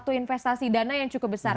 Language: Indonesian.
satu investasi dana yang cukup besar